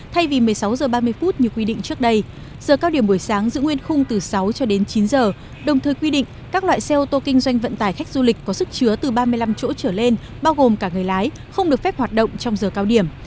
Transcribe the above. thay vì một mươi sáu h ba mươi như quy định trước đây giờ cao điểm buổi sáng giữ nguyên khung từ sáu cho đến chín giờ đồng thời quy định các loại xe ô tô kinh doanh vận tải khách du lịch có sức chứa từ ba mươi năm chỗ trở lên bao gồm cả người lái không được phép hoạt động trong giờ cao điểm